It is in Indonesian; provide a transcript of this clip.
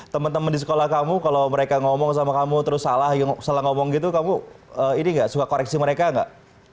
teman teman di sekolah kamu kalau mereka ngomong sama kamu terus salah ngomong gitu kamu ini gak suka koreksi mereka nggak